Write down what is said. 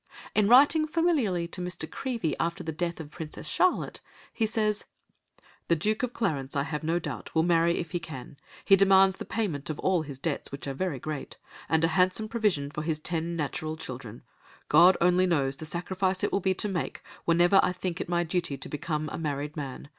In writing familiarly to Mr. Creevey after the death of Princess Charlotte, he says— "The Duke of Clarence, I have no doubt, will marry if he can—he demands the payment of all his debts, which are very great, and a handsome provision for his ten natural children—God only knows the sacrifice it will be to make, whenever I shall think it my duty to become a married man.